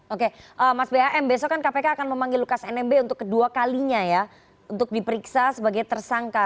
oke mas bam besok kan kpk akan memanggil lukas nmb untuk kedua kalinya ya untuk diperiksa sebagai tersangka